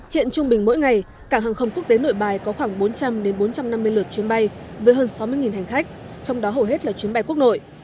hiện trung bình mỗi ngày cảng hàng không quốc tế nội bài có khoảng bốn trăm linh bốn trăm năm mươi lượt chuyến bay với hơn sáu mươi hành khách trong đó hầu hết là chuyến bay quốc nội